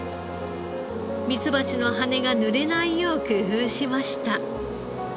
ミツバチの羽がぬれないよう工夫しました。